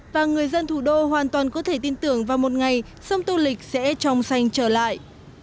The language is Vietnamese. và người dân thủ đô hoàn toàn có thể tin tưởng vào một ngày sông tô lịch sẽ tròn xanh trở lại